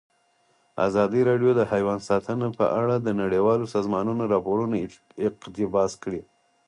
ازادي راډیو د حیوان ساتنه په اړه د نړیوالو سازمانونو راپورونه اقتباس کړي.